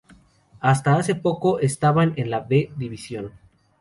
Hasta hace poco, estaban en la B Division.